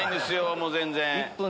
もう全然。